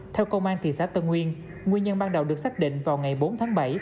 theo công an thị xã tân nguyên nhân ban đầu được xác định vào ngày bốn tháng bảy